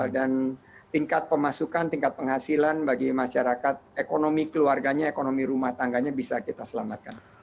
dan tingkat pemasukan tingkat penghasilan bagi masyarakat ekonomi keluarganya ekonomi rumah tangganya bisa kita selamatkan